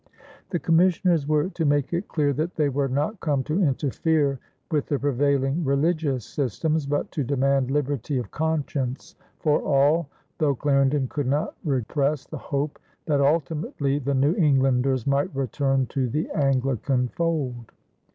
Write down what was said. The commissioners were to make it clear that they were not come to interfere with the prevailing religious systems, but to demand liberty of conscience for all, though Clarendon could not repress the hope that ultimately the New Englanders might return to the Anglican fold.